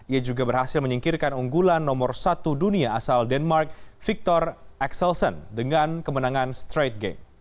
ia juga berhasil menyingkirkan unggulan nomor satu dunia asal denmark victor axelsen dengan kemenangan straight game